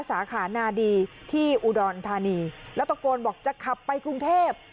สาขานาดีที่อุดรธานีแล้วตะโกนบอกจะขับไปกรุงเทพ